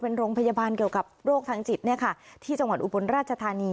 เป็นโรงพยาบาลเกี่ยวกับโรคทางจิตที่จังหวัดอุบลราชธานี